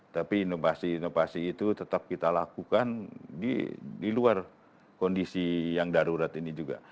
tapi inovasi inovasi itu tetap kita lakukan di luar kondisi yang darurat ini juga